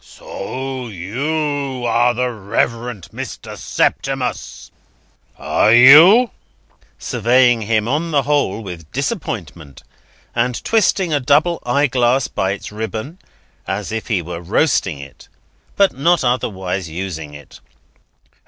So you are the Reverend Mr. Septimus, are you?" surveying him on the whole with disappointment, and twisting a double eyeglass by its ribbon, as if he were roasting it, but not otherwise using it.